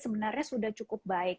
sebenarnya sudah cukup baik